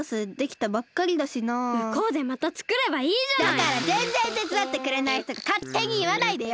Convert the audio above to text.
だからぜんぜんてつだってくれないひとがかってにいわないでよ！